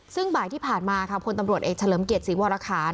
ซึ่งบ่ายที่ผ่านมาค่ะพลตำรวจเอกเฉลิมเกียรติศรีวรคาร